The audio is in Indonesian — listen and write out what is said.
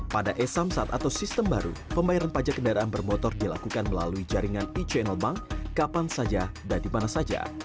pada e samsat atau sistem baru pembayaran pajak kendaraan bermotor dilakukan melalui jaringan e channel bank kapan saja dan dimana saja